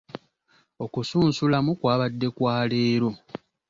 Okusunsulamu kwabadde kwa leero.